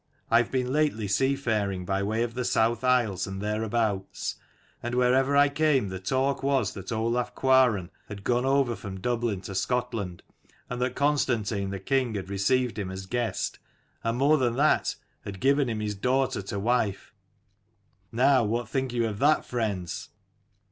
I have been lately seafaring by way of the South isles and thereabouts: and wherever I came the talk was that Olaf Cuaran had gone over from Dublin to Scotland, and that Con stantine the king had received him as guest : and more than that, had given him his daughter to wife. Now, what think you of that, friends?"